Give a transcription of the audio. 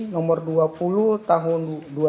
nomor dua puluh tahun dua ribu satu